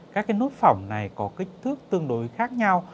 các cái nốt phỏng này có kích thước tương đối khác nhau